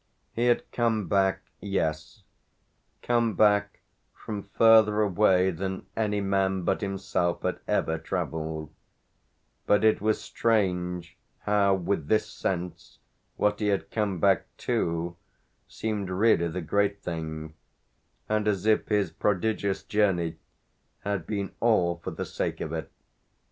He had come back, yes come back from further away than any man but himself had ever travelled; but it was strange how with this sense what he had come back to seemed really the great thing, and as if his prodigious journey had been all for the sake of it.